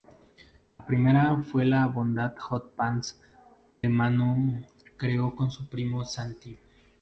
La primera fue la banda Hot Pants, que Manu creo con su primo Santi.